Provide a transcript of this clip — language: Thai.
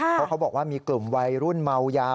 เพราะเขาบอกว่ามีกลุ่มวัยรุ่นเมายา